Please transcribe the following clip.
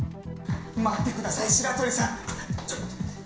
待ってください白鳥さんちょ。